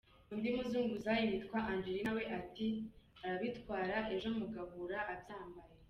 Undi muzunguzayi witwa Angelina we ati “Arabitwara ejo mugahura abyambaye.